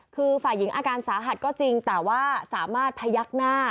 คือฝ่ายหญิงอาการสาหัสก็จริงแต่ว่าสามารถพยักหน้า